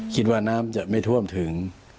คิดว่าน้ำจะไม่ท่วมถึง